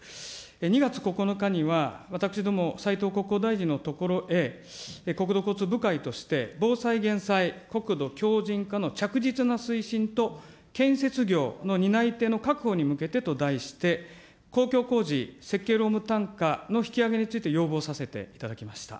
２月９日には、私ども、斉藤国交大臣の所へ国土交通部会として、防災・減災・国土強じん化の着実な推進と建設業の担い手の確保に向けてと題して、公共工事設計労務単価の引き上げについて要望させていただきました。